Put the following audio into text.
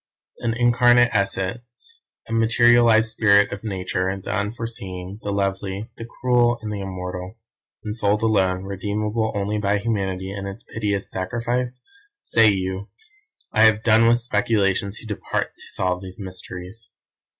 An incarnate essence, a materialised spirit of Nature the unforeseeing, the lovely, the cruel and the immortal; ensouled alone, redeemable only by Humanity and its piteous sacrifice? Say you! I have done with speculations who depart to solve these mysteries.